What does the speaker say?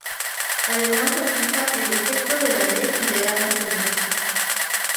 Además, se aplica en defecto de la ley y de la costumbre.